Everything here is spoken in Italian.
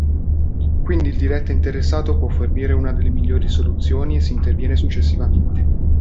Quindi il diretto interessato può fornire una delle migliori soluzioni e si interviene successivamente.